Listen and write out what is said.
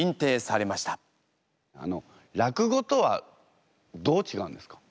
あの落語とはどうちがうんですか？